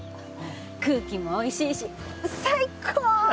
空気もおいしいし最高！